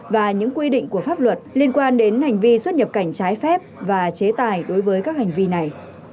và những quy định của pháp luật liên quan đến hành vi xuất nhập cảnh trái phép và chế tài đối với các hành vi này